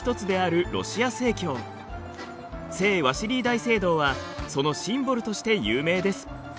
聖ワシリー大聖堂はそのシンボルとして有名です。